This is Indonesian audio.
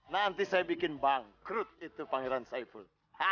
nanti saya bikin bangkrut itu pangeran saiful